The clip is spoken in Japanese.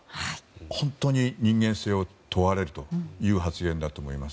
本当に人間性を問われるという発言だと思います。